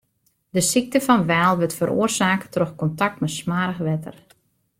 De sykte fan Weil wurdt feroarsake troch kontakt mei smoarch wetter.